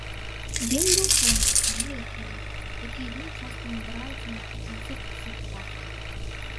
Дзень быў сонечны, ветраны, такія дні часта надараюцца напрыканцы красавіка.